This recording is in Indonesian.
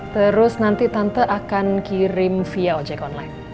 terus nanti tante akan kirim via ojek online